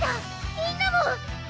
みんなも！